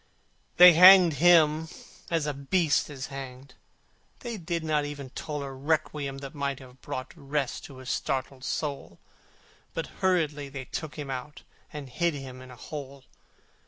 They hanged him as a beast is hanged: They did not even toll A requiem that might have brought Rest to his startled soul, But hurriedly they took him out, And hid him in a hole.